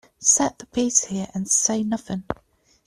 Set the piece here and say nothing.